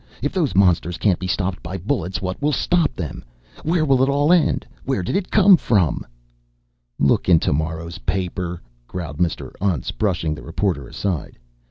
If those monsters can't be stopped by bullets, what will stop them? Where will it all end? Where did they come from?" "Look in tomorrow's paper!" growled Mr. Untz, brushing the reporter aside.